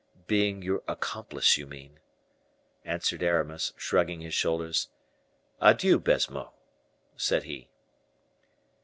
"Being your accomplice, you mean?" answered Aramis, shrugging his shoulders. "Adieu, Baisemeaux," said he.